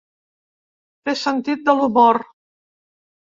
Té sentit de l’humor.